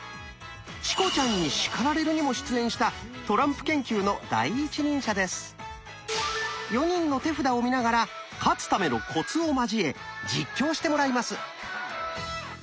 「チコちゃんに叱られる！」にも出演した４人の手札を見ながら「勝つためのコツ」を交え実況してもらいます。